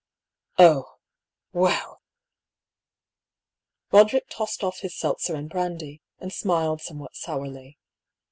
" Oh — well !"— Roderick tossed off his seltzer and brandy, and smiled somewhat souriy.